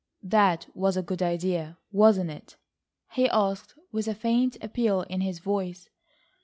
"That was a good idea, wasn't it?" he asked with a faint appeal in his voice.